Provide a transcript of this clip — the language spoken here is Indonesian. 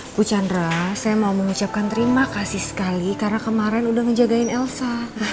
bu chandra saya mau mengucapkan terima kasih sekali karena kemarin udah ngejagain elsa